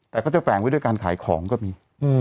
แต่เขาจะแฝงไว้ด้วยการขายของก็มี